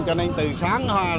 cho nên từ sáng hôm nay